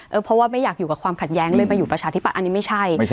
เพราะว่าไม่อยากอยู่กับความขัดแย้งเลยมาอยู่ประชาธิบัตย์อันนี้ไม่ใช่